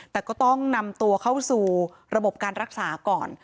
แต่ก็ต้องนำตัวเข้าสู่ระบบการรักษาก่อน